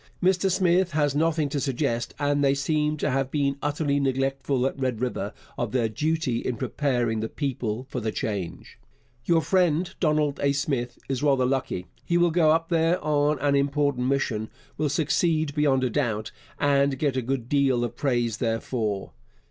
Mr Smith has nothing to suggest, and they seem to have been utterly neglectful at Red River of their duty in preparing the people for the change. Your friend Donald A. Smith is rather lucky. He will go up there on an important mission, will succeed beyond a doubt, and get a good deal of praise therefor.